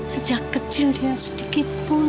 sejak kecil dia sedikitpun